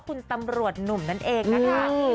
คุณตำรวจหนุ่มนั่นเองนะคะ